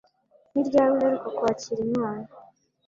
Ni ryari uheruka kwakira impano